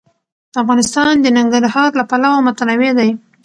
افغانستان د ننګرهار له پلوه متنوع دی.